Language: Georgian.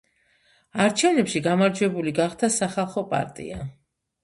არჩევნებში გამარჯვებული გახდა სახალხო პარტია.